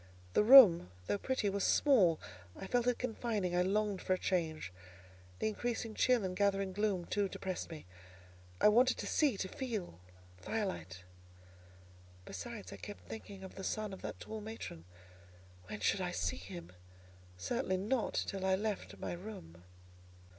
The room, though pretty, was small: I felt it confining: I longed for a change. The increasing chill and gathering gloom, too, depressed me; I wanted to see—to feel firelight. Besides, I kept thinking of the son of that tall matron: when should I see him? Certainly not till I left my room.